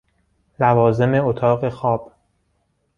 لوازم اتاق خواب: